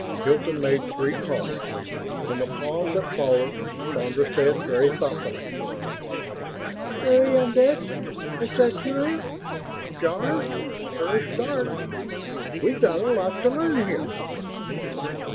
Hilton made three calls. In the pause that followed, Sandra said, very thoughtfully: "Peyondix and sathura, Jarve, for a start. We've got a lot to learn here."